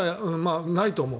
ないと思う。